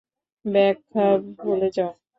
ব্যাখা ভুলে যাও।